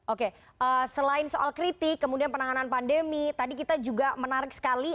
oke selain soal kritik kemudian penanganan pandemi tadi kita juga menarik sekali